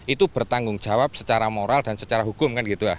itu bertanggung jawab secara moral dan secara hukum